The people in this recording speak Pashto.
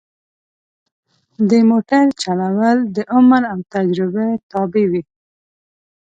د موټر چلول د عمر او تجربه تابع وي.